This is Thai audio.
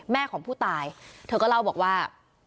แม่ของผู้ตายเธอก็เล่าบอกว่า